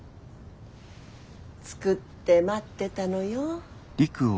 作って待ってたのよ。